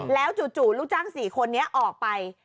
แล้วจู่ลูกจ้าง๔คนนี้ออกไป